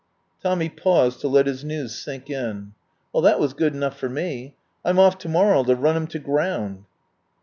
Tommy paused to let his news sink in. "Well, that was good enough for me. I'm off to morrow to run him to ground."